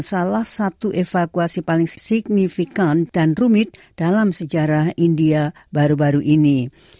salah satu evakuasi paling signifikan dan rumit dalam sejarah india baru baru ini